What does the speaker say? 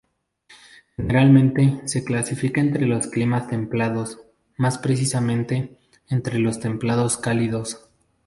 Generalmente, se clasifica entre los climas templados; más precisamente, entre los templados cálidos.